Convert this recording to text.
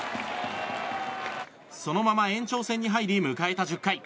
そのまま延長戦に入り迎えた１０回。